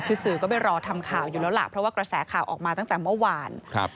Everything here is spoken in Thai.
คือสื่อก็ไปรอทำข่าวอยู่แล้วล่ะเพราะว่ากระแสข่าวออกมาตั้งแต่เมื่อวานครับ